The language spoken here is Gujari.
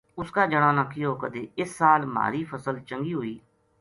اُس کا جنا نے کہیو کدے اس سال مھاری فصل چنگی ہوئی